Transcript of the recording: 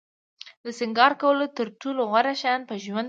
د سینگار کولو تر ټولو غوره شیان په ژوند کې.